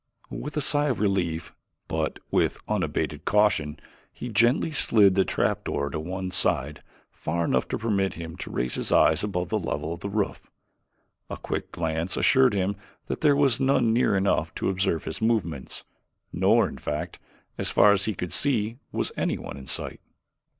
With a sigh of relief, but with unabated caution, he gently slid the trapdoor to one side far enough to permit him to raise his eyes above the level of the roof. A quick glance assured him that there was none near enough to observe his movements, nor, in fact, as far as he could see, was anyone in sight.